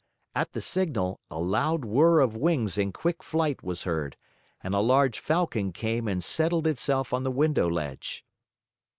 At the signal, a loud whirr of wings in quick flight was heard and a large Falcon came and settled itself on the window ledge.